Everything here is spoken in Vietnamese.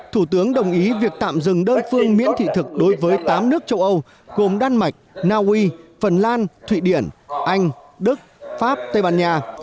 thủ tướng đồng ý việc tạm dừng đơn phương miễn thị thực đối với tám nước châu âu gồm đan mạch naui phần lan thụy điển anh đức pháp tây ban nha